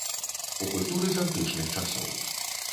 У культуры з антычных часоў.